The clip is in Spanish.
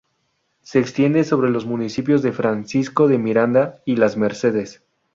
Se extiende sobre los municipios de Francisco de Miranda y Las Mercedes.